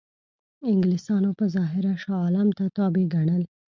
انګلیسانو په ظاهره شاه عالم ته تابع ګڼل.